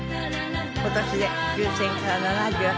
今年で終戦から７８年。